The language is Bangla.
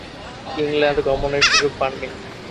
ইংল্যান্ড গমনের সুযোগ পাননি।